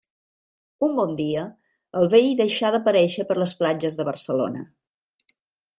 Un bon dia, el vell deixà d'aparèixer per les platges de Barcelona.